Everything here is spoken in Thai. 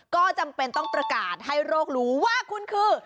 ก็จำเป็นต้องประกาศให้โรครู้ว่าคุณคือ